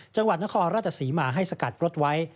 จังหวัดนครราชศรีมาให้สกัดรถไว้